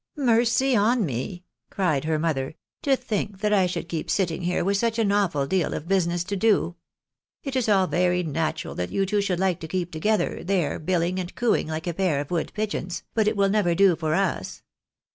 " Mercy on me," cried her mother, " to think that I should keep sitting here with such an awful deal of business to do ! It is all very natural that you two should like to keep together, there, billing and cooing like a pair of wood pigeons, but it wUl never do for us.